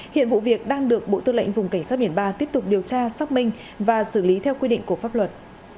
hiện vụ việc đang được bộ tư lệnh vùng cảnh sát biển ba tiếp tục điều tra xác minh và xử lý theo quy định của pháp luật